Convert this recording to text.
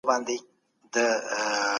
دغه حاجي دونه ښه دی چي هر څوک یې ستاینه کوی.